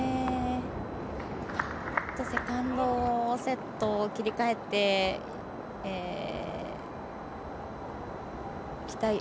セカンドセット切り替えていきたい。